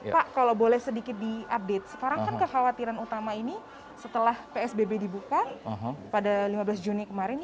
pak kalau boleh sedikit diupdate sekarang kan kekhawatiran utama ini setelah psbb dibuka pada lima belas juni kemarin